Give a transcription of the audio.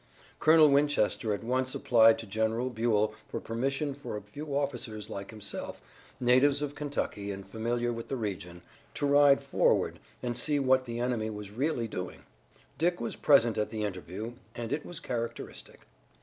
Colonel Winchester at once applied to General Buell for permission for a few officers like himself, natives of Kentucky and familiar with the region, to ride forward and see what the enemy was really doing. Dick was present at the interview and it was characteristic.